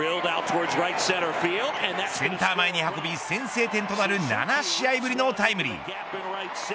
センター前に運び、先制点となる７試合ぶりのタイムリー。